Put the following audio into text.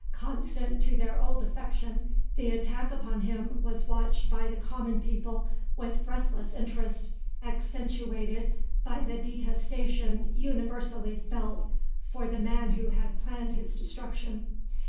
Constant to their old affection, the attack upon him was watched by the common people with breathless interest, accentuated by the detestation universally felt for the man who had planned his destruction.